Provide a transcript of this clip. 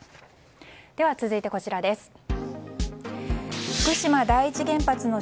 続いて、こちらです。